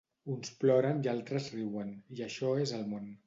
Uns ploren i altres riuen, i això és el món.